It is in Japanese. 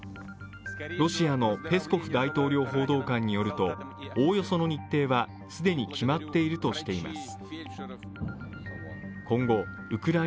ロシアのペスコフ大統領報道官によると、おおよその日程は既に決まっているとしています。